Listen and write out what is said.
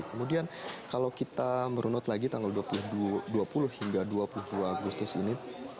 kemudian kalau kita merunut lagi tanggal dua puluh hingga dua puluh dua agustus ini